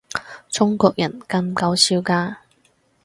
中國人咁搞笑㗎